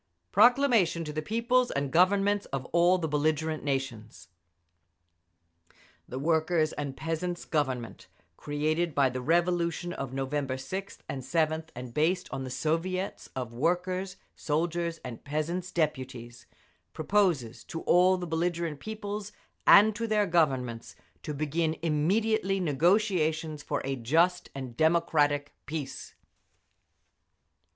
PROCLAMATION TO THE PEOPLES AND GOVERNMENTS OF ALL THE BELLIGERENT NATIONS. The Workers' and Peasants' Government, created by the revolution of November 6th and 7th and based on the Soviets of Workers', Soldiers' and Peasants' Deputies, proposes to all the belligerent peoples and to their Governments to begin immediately negotiations for a just and democratic peace.